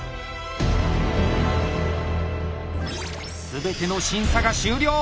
全ての審査が終了！